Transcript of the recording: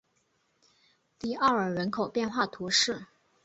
迪奥尔人口变化图示